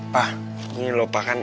pak ini lupa kan